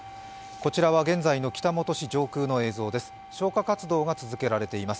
こちらは現在の北本市上空の映像です。